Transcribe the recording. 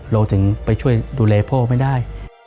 เราถึงไปช่วยดูแลพ่อไม่ได้